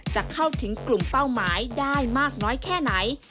จะเข้าถึงกลุ่มเป้าหมายได้มากน้อยแค่ไหน